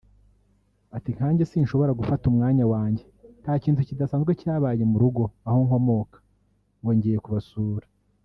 Ati“Nkanjye sinshobora gufata umwanya wanjye nta kintu kidasanzwe cyabaye mu rugo aho nkomoka ngo ngiye kubasura